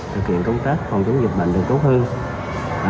thực hiện công tác phòng chống dịch bệnh được tốt hơn